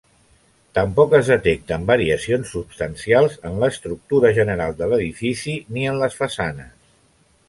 Tampoc es detecten variacions substancials en l'estructura general de l'edifici ni en les façanes.